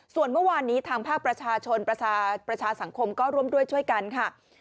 ส่วนเมื่อวานนี้ทางภาคประชาชนประชาสังคมก็ร่วมด้วยช่วยกันค่ะ